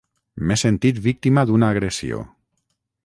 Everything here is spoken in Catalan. M'he sentit víctima d'una agressió